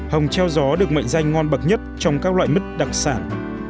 hồng treo gió được mệnh danh ngon bậc nhất trong các loại mứt đặc sản